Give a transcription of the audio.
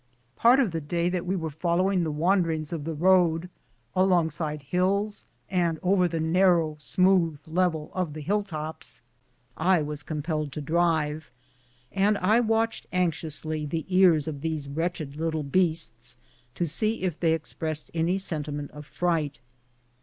Part of the day that we were following the wanderings of the road alongside hills and over the narrow, smooth level of the hill tops, I was compelled to drive, and I watched anxiously the ears of these wretched little beasts to see if they ex pressed any sentiment of fright.